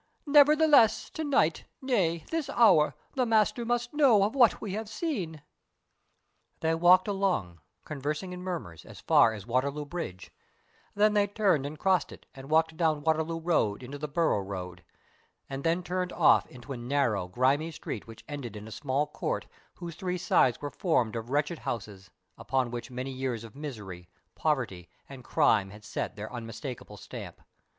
Nevertheless, to night, nay, this hour, the Master must know of what we have seen." They walked along, conversing in murmurs, as far as Waterloo Bridge, then they turned and crossed it and walked down Waterloo Road into the Borough Road, and then turned off into a narrow, grimy street which ended in a small court whose three sides were formed of wretched houses, upon which many years of misery, poverty, and crime had set their unmistakable stamp.